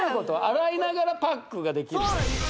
洗いながらパックができる？